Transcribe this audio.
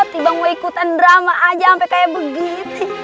tiba tiba ikutan drama aja sampai kayak begitu